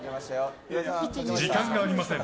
時間がありません。